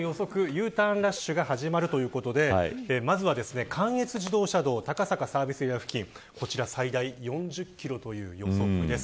Ｕターンラッシュが始まるということでまずは関越自動車道高坂サービスエリア付近最大４０キロの予測です。